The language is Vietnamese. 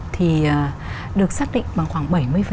thì được xác định bằng khoảng bảy mươi